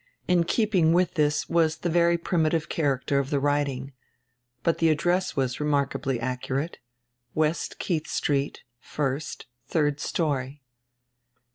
In keeping with this was the very primitive character of the writing. But die address was remarkably accurate: "W., Keidi St. lc, diird story."